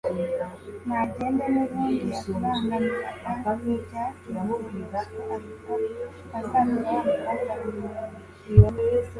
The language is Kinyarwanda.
nagende nubundi yatubangamiraga ntibyatinze bosco ahita asatira wamukobwa aramuhobera